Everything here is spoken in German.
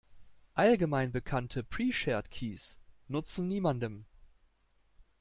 Allgemein bekannte Pre-shared keys nutzen niemandem.